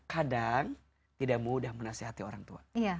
kadang tidak mudah menasehati orang tua